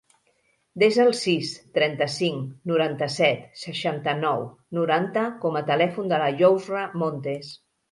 Desa el sis, trenta-cinc, noranta-set, seixanta-nou, noranta com a telèfon de la Yousra Montes.